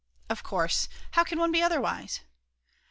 Of course, how can one be otherwise?